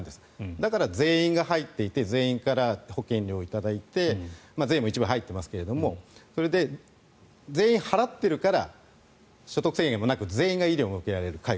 だから全員が入っていて全員から保険料を頂いて税も一部入っていますがそれで全員払っているから所得制限もなく全員が医療を受けられる。